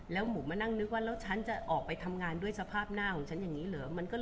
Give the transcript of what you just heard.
แล้วหมูมานั่งนึกว่าแล้วฉันจะออกไปทำงานด้วยสภาพหน้าของฉันอย่างนี้เหรอ